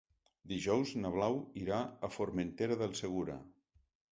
Dijous na Blau irà a Formentera del Segura.